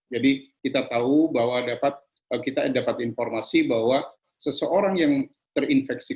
jadi kita tahu bahwa dapat kita dapat informasi bahwa seseorang yang terinfeksi